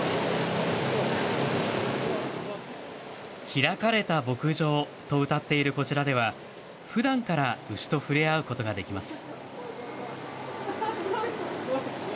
開かれた牧場とうたっているこちらでは、ふだんから牛とふれあうことができます。